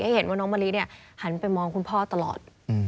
เห็นว่าน้องมะลิหันไปมองคุณพ่อตลอด